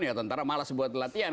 ya tentara malas buat latihan